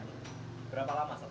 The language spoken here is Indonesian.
berapa lama satu bilah